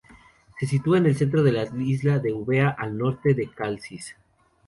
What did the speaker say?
Se sitúa en el centro de la isla de Eubea, al norte de Calcis.